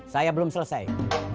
saya belum selesai